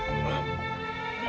apa yang akan terjadi